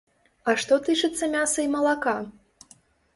А што тычыцца мяса і малака?